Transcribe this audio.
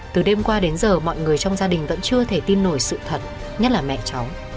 từ đêm qua đến giờ mọi người trong gia đình vẫn chưa thể tin nổi sự thật nhất là mẹ cháu